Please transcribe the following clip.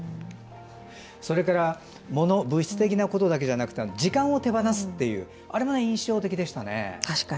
それから、物物質的なことだけじゃなくて時間を手放すというあれが印象的でしたね。